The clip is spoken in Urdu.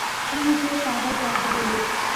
تم مجھے پاگل کر دو گے